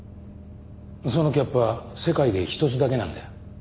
そのキャップは世界で一つだけなんだよ。